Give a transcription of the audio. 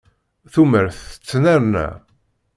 Tumert tennerna.